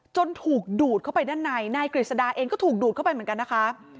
ถูกดูดเข้าไปด้านในนายกฤษดาเองก็ถูกดูดเข้าไปเหมือนกันนะคะ